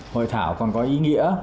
hội thảo còn có ý nghĩa